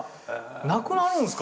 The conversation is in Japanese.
なくなるんすか？